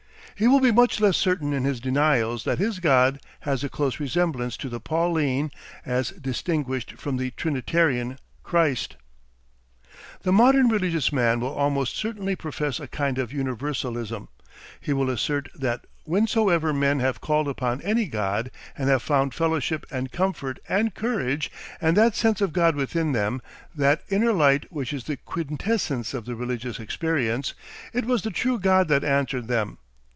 He will be much less certain in his denials that his God has a close resemblance to the Pauline (as distinguished from the Trinitarian) "Christ." ... The modern religious man will almost certainly profess a kind of universalism; he will assert that whensoever men have called upon any God and have found fellowship and comfort and courage and that sense of God within them, that inner light which is the quintessence of the religious experience, it was the True God that answered them.